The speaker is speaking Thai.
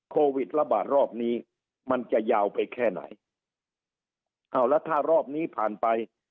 โควิดระบาดรอบนี้มันจะยาวไปแค่ไหนอ้าวแล้วถ้ารอบนี้ผ่านไป